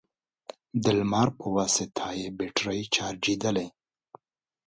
د لمر په واسطه يې بېټرۍ چارجېدلې،